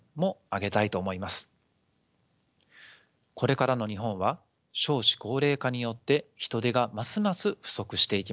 これからの日本は少子高齢化によって人手がますます不足していきます。